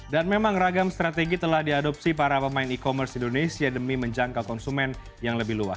dan memang ragam strategi telah diadopsi para pemain e commerce di indonesia demi menjangkau konsumen yang lebih luas